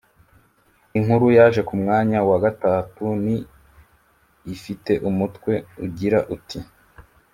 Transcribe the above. Inkuru yaje ku mwanya wa gatatu ni ifite umuntwe ugira uti: